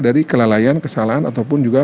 dari kelalaian kesalahan ataupun juga